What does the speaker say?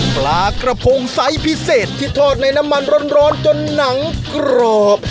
ปลากระพงไซส์พิเศษที่ทอดในน้ำมันร้อนจนหนังกรอบ